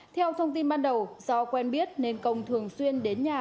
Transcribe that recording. theo thông tin ban đầu do quen biết nên công thường xuyên đến nhà